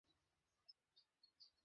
যদি আপনি চান, তাহলে এইসব বন্ধ করতে পারেন।